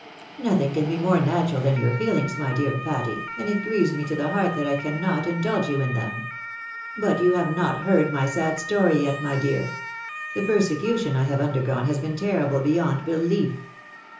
" Nothing can be more natural than your feelings, my dear Patty, and it grieves me to the heart that I cannot indulge you in them. But you have not heard my sad story yet, my dear. The persecution I have undergone has been terrible beyond belief.